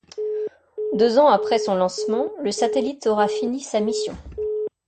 Deux ans après son lancement, le satellite aura fini sa mission.